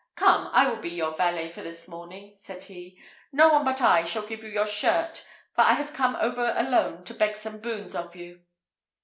"Come, I will be your valet for this morning," said he; "no one but I shall give you your shirt; for I have come over alone to beg some boons of you."